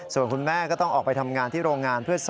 ส่วนคุณแม่ก็ต้องออกไปทำงานที่โรงงานเพื่อ